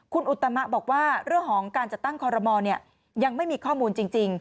คุณอุตมะบอกว่าเรื่องของการจัดตั้งคอรมอลยังไม่มีข้อมูลจริง